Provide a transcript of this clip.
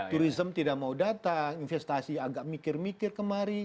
turisme tidak mau datang investasi agak mikir mikir kemari